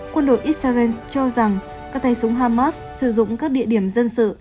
quân đội israel cho rằng các tay súng hamas sử dụng các địa điểm dân sự